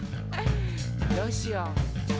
どうしよう？